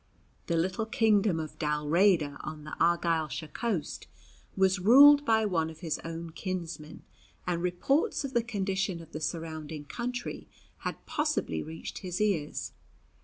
The little kingdom of Dalriada on the Argyllshire coast was ruled by one of his own kinsmen, and reports of the condition of the surrounding country had possibly reached his ears.